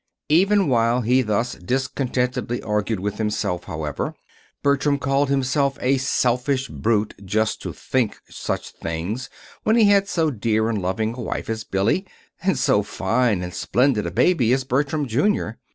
Even while he thus discontentedly argued with himself, however, Bertram called himself a selfish brute just to think such things when he had so dear and loving a wife as Billy, and so fine and splendid a baby as Bertram, Jr.